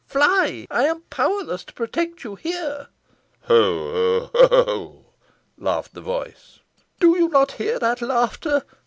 Fly. I am powerless to protect you here." "Ho! ho! ho!" laughed the voice. "Do you not hear that laughter?"